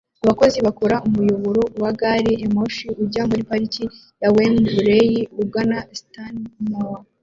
Abakozi bakora kumuyoboro wa gari ya moshi ujya muri parike ya Wembley ugana Stanmore